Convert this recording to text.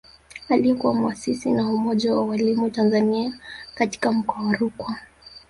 Aliyekuwa mwasisi wa Umoja wa Walimu Tanzania katika Mkoa wa Rukwa